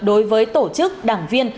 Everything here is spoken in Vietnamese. đối với tổ chức đảng viên